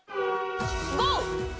ゴー！